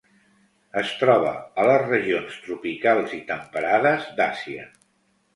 Es troba a les regions tropicals i temperades d'Àsia.